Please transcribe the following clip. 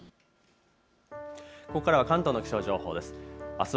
ここからは関東の気象情報です。